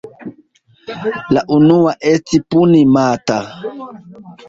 La unua esti Puni-mata.